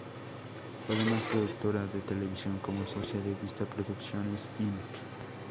Fue además productora de televisión, como socia de Vista Producciones Inc.